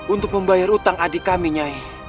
untuk membayar utang adik kami nyai